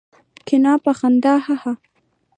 کېنه! په خندا هههه.